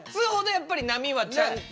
やっぱり波はちゃんと。